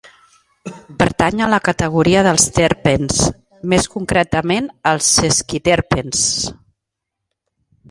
Pertany a la categoria dels terpens, més concretament als sesquiterpens.